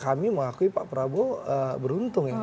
kami mengakui pak prabowo beruntung ya